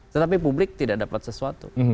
tetapi publik tidak dapat sesuatu